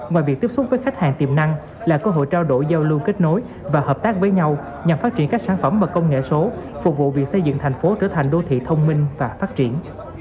ngoài việc tiếp xúc với khách hàng tiềm năng là cơ hội trao đổi giao lưu kết nối và hợp tác với nhau nhằm phát triển các sản phẩm và công nghệ số phục vụ việc xây dựng thành phố trở thành đô thị thông minh và phát triển